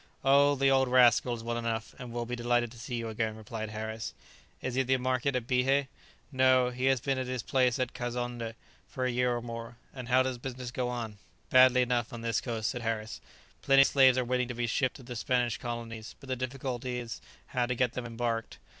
"Oh, the old rascal is well enough, and will be delighted to see you again," replied Harris. "Is he at the market at Bihé?" "No, he has been at his place at Kazonndé for a year or more." "And how does business go on?" "Badly enough, on this coast," said Harris; "plenty of slaves are waiting to be shipped to the Spanish colonies, but the difficulty is how to get them embarked.